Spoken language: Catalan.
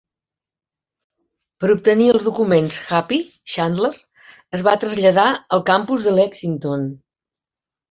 Per obtenir els documents "Happy" Chandler es va traslladar al campus de Lexington.